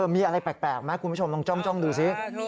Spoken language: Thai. มีอะไรแปลกไหมคุณผู้ชมลองจ้องดูสิ